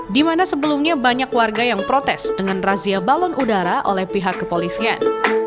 di mana sebelumnya banyak warga yang protes dengan razia balon udara oleh pihak kepolisian